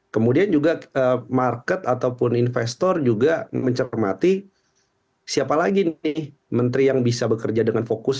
kemudian juga market ataupun investor juga mencermati siapa lagi nih menteri yang bisa bekerja dengan fokus